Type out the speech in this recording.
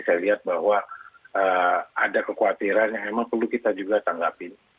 saya lihat bahwa ada kekhawatiran yang memang perlu kita juga tanggapin